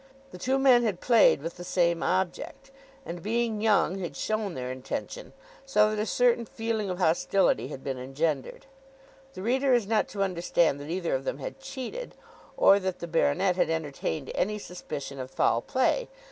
The two men had played with the same object, and being young had shown their intention, so that a certain feeling of hostility had been engendered. The reader is not to understand that either of them had cheated, or that the baronet had entertained any suspicion of foul play.